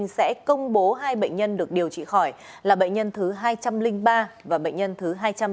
sẽ công bố hai bệnh nhân được điều trị khỏi là bệnh nhân thứ hai trăm linh ba và bệnh nhân thứ hai trăm tám mươi